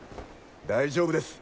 大丈夫です。